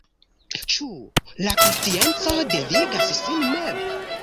Ĉu la konscienco devigas sin mem?